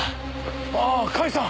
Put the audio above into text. ああ甲斐さん。